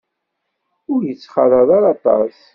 Ur yettxalaḍ ara aṭas.